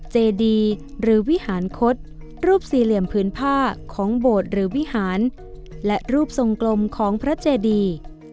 เจดีหรือวิหารคศรูปสี่เหลี่ยมพื้นผ้าของโบสถ์หรือวิหารและรูปทรงกลมของพระเจดี